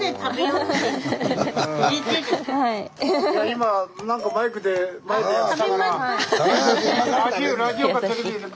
今何かマイクで前でやってたから。